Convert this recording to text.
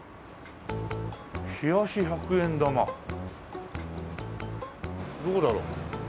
冷やし百円玉どこだろう？